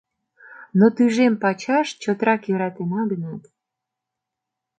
Но тӱжем пачаш чотрак йӧратена гынат...